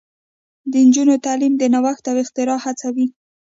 د نجونو تعلیم د نوښت او اختراع هڅوي.